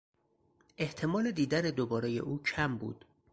احتمال دیدن دوبارهی او کم بود.